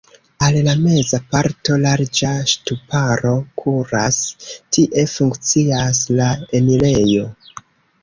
Al la meza parto larĝa ŝtuparo kuras, tie funkcias la enirejo.